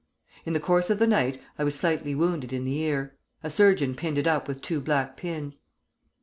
In the course of the night I was slightly wounded in the ear. A surgeon pinned it up with two black pins.